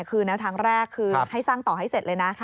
คือแนวทางแรกคือให้สร้างต่อให้เสร็จเลยนะ